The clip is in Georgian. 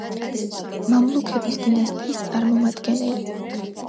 მამლუქების დინასტიის წარმომადგენელი.